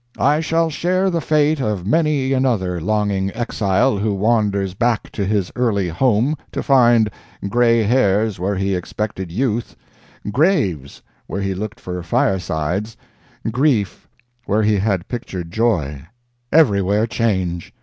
I shall share the fate of many another longing exile who wanders back to his early home to find gray hairs where he expected youth, graves where he looked for firesides, grief where he had pictured joy—everywhere change!